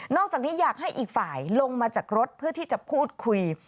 จากนี้อยากให้อีกฝ่ายลงมาจากรถเพื่อที่จะพูดคุย